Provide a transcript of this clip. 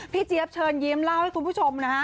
เจี๊ยบเชิญยิ้มเล่าให้คุณผู้ชมนะฮะ